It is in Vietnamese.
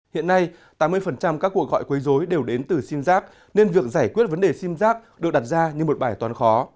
hiện nay tám mươi các cuộc gọi quấy dối đều đến từ sim giác nên việc giải quyết vấn đề sim giác được đặt ra như một bài toán khó